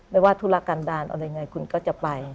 ไม่ว่าธุระการดานอะไรไงคุณก็จะไป